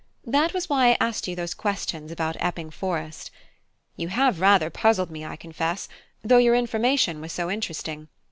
That was why I asked you those questions about Epping Forest. You have rather puzzled me, I confess, though your information was so interesting.